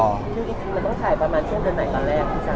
คือจริงเราต้องถ่ายประมาณช่วงเดือนไหนตอนแรกพี่จ๊